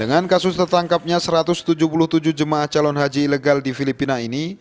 dengan kasus tertangkapnya satu ratus tujuh puluh tujuh jemaah calon haji ilegal di filipina ini